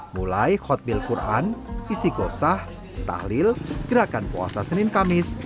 mulai khotbil quran istiqosah tahlil gerakan puasa senin kamis